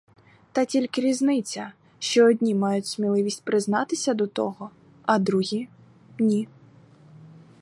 Та тільки різниця, що одні мають сміливість признатися до того, а другі — ні.